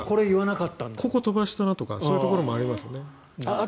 ここを飛ばしたなとかそういうのもありますね。